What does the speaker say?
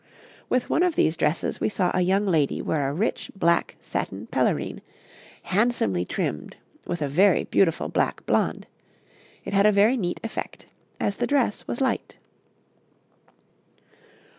With one of these dresses we saw a young lady wear a rich black satin pelerine, handsomely trimmed with a very beautiful black blond; it had a very neat effect, as the dress was light.